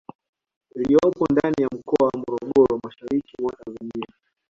Iliyopo ndani ya Mkoa wa Morogoro mashariki mwa Tanzania